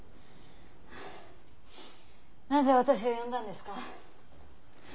なぜ私を呼んだんですか？